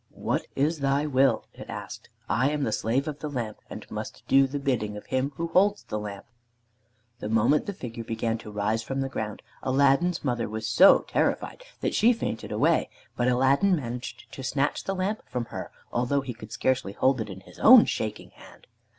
"What is thy will?" it asked. "I am the Slave of the Lamp, and must do the bidding of him who holds the Lamp." The moment the figure began to rise from the ground Aladdin's mother was so terrified that she fainted away, but Aladdin managed to snatch the lamp from her, although he could scarcely hold it in his own shaking hand.